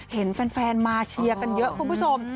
เห็นแฟนมาเชียร์กันเยอะคุณผู้ชม